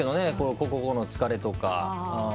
個々の疲れとか。